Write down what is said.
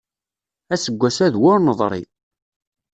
Aseggas-a d wur neḍṛi.